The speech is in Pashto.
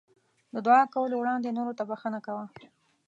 د دعا کولو وړاندې نورو ته بښنه کوه.